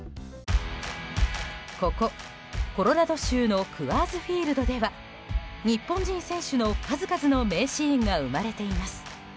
ここ、コロラド州のクアーズ・フィールドでは日本人選手の数々の名シーンが生まれています。